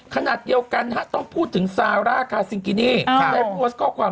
ขนาดเดียวกันถ้าต้องพูดถึงซาร่าคาซิงกินีแฟนบุ๊กข้อความ